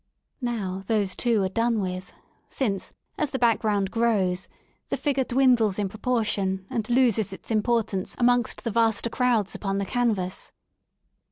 Now those, too, are done with, since, as the background grows, the figure dwindles in proportion and loses its importance amongst the vaster crowds upon the canvas.